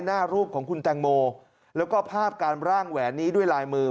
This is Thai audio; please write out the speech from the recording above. หน้ารูปของคุณแตงโมแล้วก็ภาพการร่างแหวนนี้ด้วยลายมือ